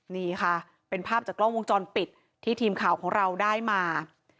นี่ค่ะเป็นภาพจากกล้องวงจรปิดที่ทีมข่าวของเราได้มา